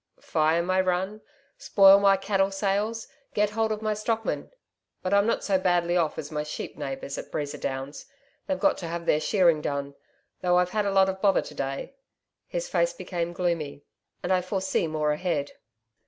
'Fire my run spoil my cattle sales get hold of my stockmen....But I'm not so badly off as my "sheep" neighbours at Breeza Downs. They've got to have their shearing done.... Though I've had a lot of bother to day,' his face became gloomy, 'and I foresee more ahead.'